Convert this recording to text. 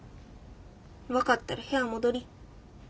分かったら部屋戻り。